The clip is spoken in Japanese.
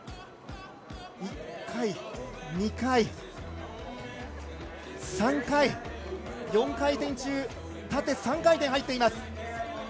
１回、２回、３回、４回転中、縦３回転入っています。